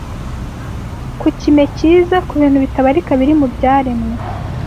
ku kime cyiza, ku bintu bitabarika biri mu byaremwe